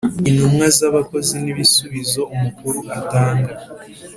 Intumwa z abakozi n ibisubizo umukuru atanga